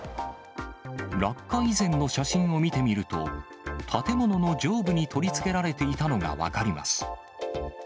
落下以前の写真を見てみると、建物の上部に取り付けられていたのが分かります。